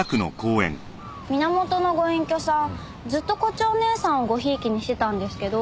源のご隠居さんずっと胡蝶姐さんをご贔屓にしてたんですけど